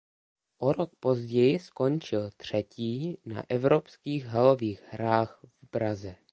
O rok později skončil třetí na evropských halových hrách v Praze.